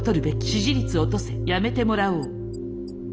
「支持率落とせやめてもらおう」